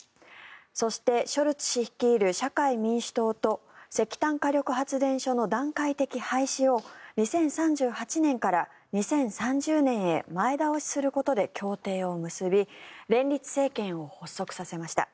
そして、ショルツ氏率いる社会民主党と石炭火力発電所の段階的廃止を２０３８年から２０３０年へ前倒しすることで協定を結び連立政権を発足させました。